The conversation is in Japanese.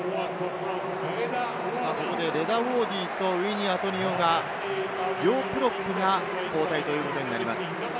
ここでレダ・ウォーディとウイニ・アトニオが両プロップが交代ということになります。